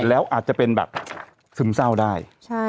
แล้วอาจจะเป็นแบบซึมเศร้าได้